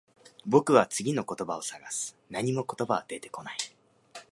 僕は次の言葉を探す。何も言葉は出てこない。